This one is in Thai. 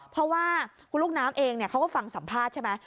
เพราะว่าคุณลูกน้ำเองเขาก็ฟังสัมภาษณ์ใช่ไหม